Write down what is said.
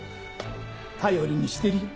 頼りにしてるよ